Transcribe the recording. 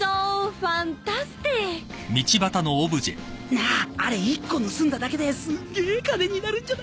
なああれ１個盗んだだけですんげえ金になるんじゃないか？